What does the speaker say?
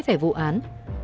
về vụ án